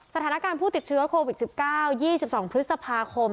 สถานการณ์ผู้ติดเชื้อโควิด๑๙๒๒พฤษภาคม